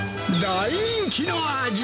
大人気の味。